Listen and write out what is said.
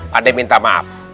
pak d minta maaf